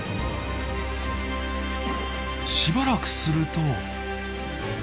しばらくすると。